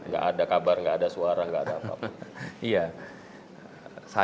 gak ada kabar gak ada suara gak ada apa apa